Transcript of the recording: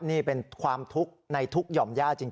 นี่เป็นความทุกข์ในทุกข์หย่อมย่าจริง